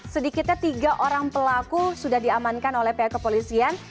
sedikitnya tiga orang pelaku sudah diamankan oleh pihak kepolisian